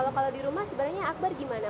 kalau di rumah sebenarnya akbar gimana